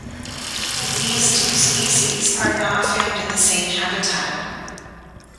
These two species are not found in the same habitat.